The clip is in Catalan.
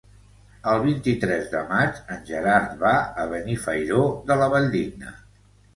El vint-i-tres de maig en Gerard va a Benifairó de la Valldigna.